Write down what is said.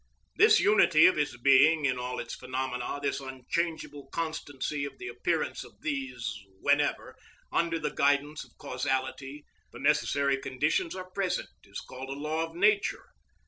This unity of its being in all its phenomena, this unchangeable constancy of the appearance of these, whenever, under the guidance of causality, the necessary conditions are present, is called a law of nature.